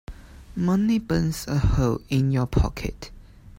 Money burns a hole in your pocket.